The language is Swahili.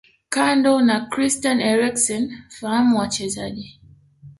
Kando na Christian Eriksen fahamu wachezaji